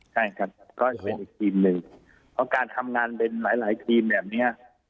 ใช่ครับก็จะเป็นอีกทีมหนึ่งเพราะการทำงานเป็นหลายหลายทีมแบบเนี้ย